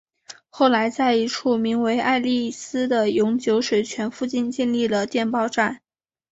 后来在一处名为爱丽斯的永久水泉附近建立了电报站。